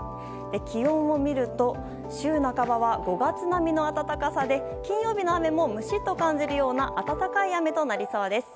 気温を見ると週半ばは５月並みの暖かさで金曜の雨もムシッと感じるような暖かい雨となりそうです。